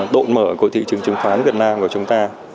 độn mở của thị trường trứng khoán việt nam của chúng ta